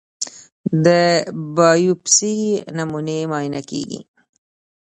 د بایوپسي نمونې معاینه کېږي.